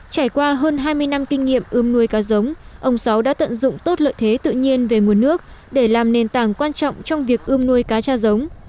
trải qua hơn hai mươi năm kinh nghiệm ươm nuôi cá giống ông sáu đã tận dụng tốt lợi thế tự nhiên về nguồn nước để làm nền tảng quan trọng trong việc ươm nuôi cá cha giống